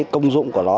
ba công dụng của nó